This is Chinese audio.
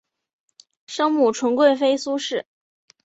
生母纯贵妃苏氏。